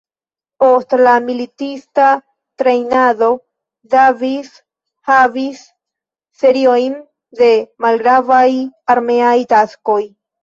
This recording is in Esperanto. Post lia militista trejnado, Davis havis seriojn de malgravaj armeaj taskoj.